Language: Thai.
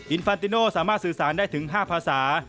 ฟานติโนสามารถสื่อสารได้ถึง๕ภาษา